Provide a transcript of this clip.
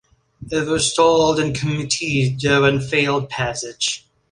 It was stalled in committee though and failed passage.